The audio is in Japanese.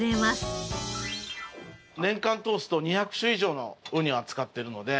年間通すと２００種以上のウニを扱っているので。